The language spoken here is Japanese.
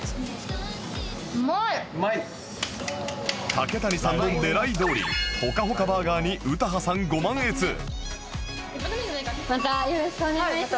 竹谷さんの狙いどおりほかほかバーガーにまたよろしくお願いします。